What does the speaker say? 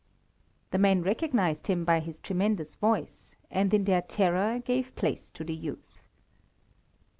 The men recognized him by his tremendous voice, and, in their terror, gave place to the youth.